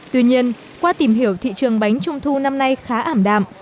tuy nhiên qua tìm hiểu thị trường bánh trung thu năm nay khá ảm đạm